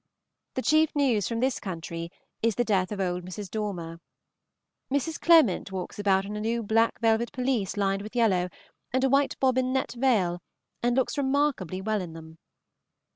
The chief news from this country is the death of old Mrs. Dormer. Mrs. Clement walks about in a new black velvet pelisse lined with yellow, and a white bobbin net veil, and looks remarkably well in them.